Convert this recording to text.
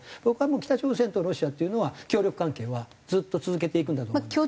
僕は北朝鮮とロシアっていうのは協力関係はずっと続けていくんだと思います。